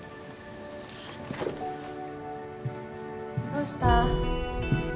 どうした？